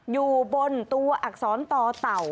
อยู่บนตัวอักษรต่อเต่า